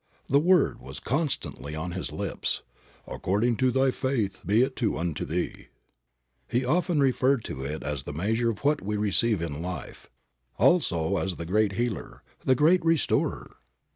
The word was constantly on His lips, "According to thy faith be it unto thee." He often referred to it as the measure of what we receive in life, also as the great healer, the great restorer.